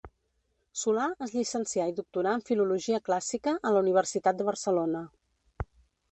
Solà es llicencià i doctorà en filologia clàssica a la Universitat de Barcelona.